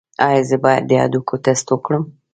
ایا زه باید د هډوکو ټسټ وکړم؟